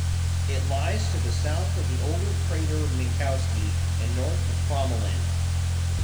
It lies to the south of the older crater Minkowski, and north of Crommelin.